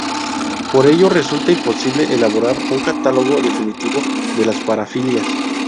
Por ello resulta imposible elaborar un catálogo definitivo de las parafilias.